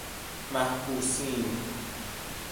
محبوسین